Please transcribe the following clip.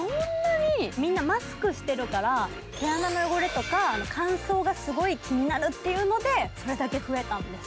みんなマスクしてるから、毛穴の汚れとか乾燥がすごい気になるというので、それだけ増えたんです。